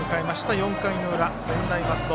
４回の裏、専大松戸。